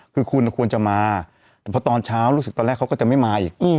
คือคุณควรจะมาแต่พอตอนเช้ารู้สึกตอนแรกเขาก็จะไม่มาอีก